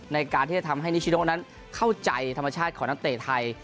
ในการที่จะทำให้นิชิโนนั้นเข้าใจธรรมชาติของนักเตะไทย